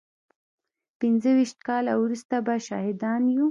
پينځه ويشت کاله وروسته به شاهدان يو.